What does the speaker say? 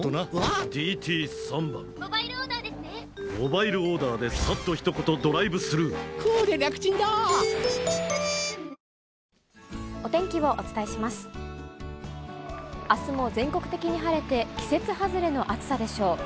あすも全国的に晴れて、季節外れの暑さでしょう。